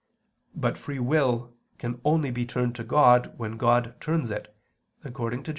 But free will can only be turned to God, when God turns it, according to Jer.